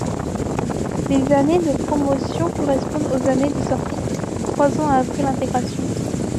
Les années de promotion correspondent aux années de sortie, trois ans après l'intégration.